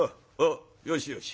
よしよし。